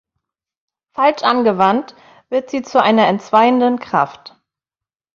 Falsch angewandt, wird sie zu einer entzweienden Kraft.